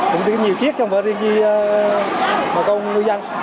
cũng có nhiều chiếc chứ không phải riêng gì bà con nuôi dân